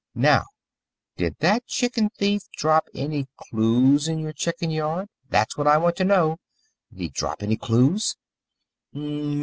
Now, did that chicken thief drop any clues in your chicken yard? That's what I want to know did he drop any clues?"